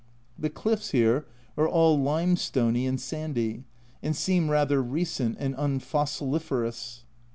The cliffs here are all limestony and sandy, and seem rather recent and unfossiliferous.